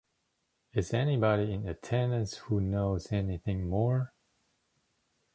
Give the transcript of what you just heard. Is anybody in attendance who knows anything more?